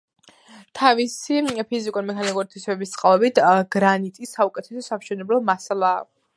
თავისი ფიზიკურ-მექანიკური თვისებების წყალობით გრანიტი საუკეთესო სამშენებლო მასალაა.